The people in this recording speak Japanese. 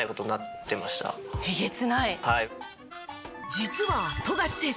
実は富樫選手